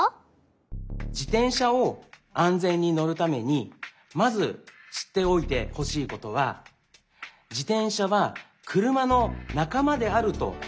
自転車を安全にのるためにまずしっておいてほしいことは自転車はくるまのなかまであるということです。